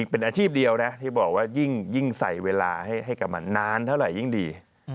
เป็นอาชีพเดียวนะที่บอกว่ายิ่งใส่เวลาให้กับมันนานเท่าไหร่ยิ่งดี